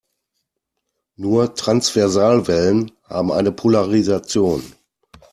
Nur Transversalwellen haben eine Polarisation.